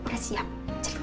sampai jumpa lagi